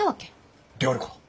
であるかな？